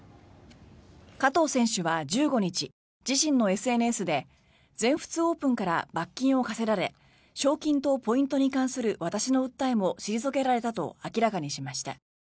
加藤選手は１５日自身のＳＮＳで全仏オープンから罰金を科せられ賞金とポイントに関する私の訴えも退けられたと明らかにしました。